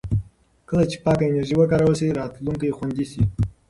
کله چې پاکه انرژي وکارول شي، راتلونکی خوندي شي.